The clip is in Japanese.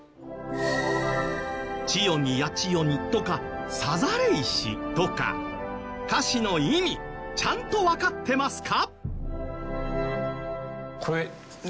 「千代に八千代に」とか「さざれ石」とか歌詞の意味ちゃんとわかってますか？